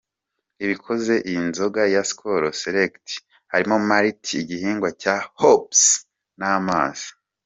Ibikoze iyi nzoga ya Skol Select ni Malt, Igihingwa cya Hops n’amazi.